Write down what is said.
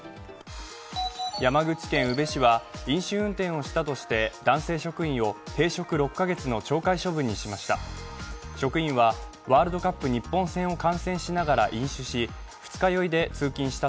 山口県宇部市は飲酒運転をしたとして、男性職員を停職６か月の懲戒処分にしました。